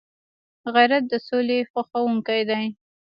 غیرت د سولي خوښونکی دی